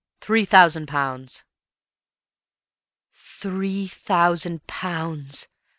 Three thousand pounds!" Three thousand pounds!